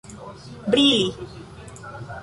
brili